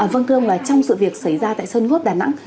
vâng thưa ông là trong sự việc xảy ra tại sơn ngốt đà nẵng